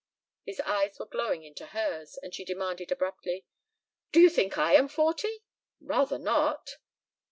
His eyes were glowing into hers and she demanded abruptly: "Do you think I am forty?" "Rather not!"